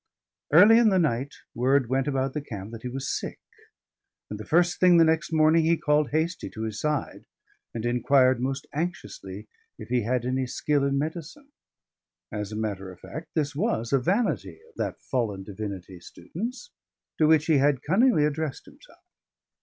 Early in the night word went about the camp that he was sick; and the first thing the next morning he called Hastie to his side, and inquired most anxiously if he had any skill in medicine. As a matter of fact, this was a vanity of that fallen divinity student's, to which he had cunningly addressed himself.